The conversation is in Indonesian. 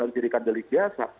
atau dirikan delik biasa